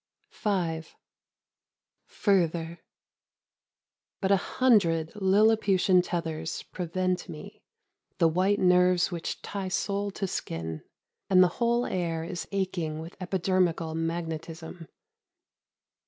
29 Beauty. V. Further — but a hundred Liliputian tethers prevent me, the white nerves which tie soul to skin. And the whole air is aching with epidermical magnetism.